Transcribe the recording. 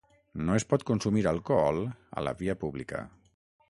No es pot consumir alcohol a la via pública.